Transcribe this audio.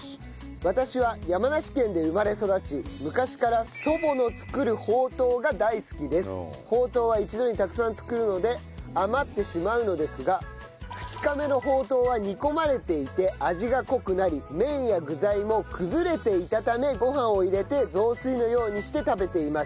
私は山梨県で生まれ育ち昔からほうとうは一度にたくさん作るので余ってしまうのですが２日目のほうとうは煮込まれていて味が濃くなり麺や具材も崩れていたためご飯を入れて雑炊のようにして食べていました。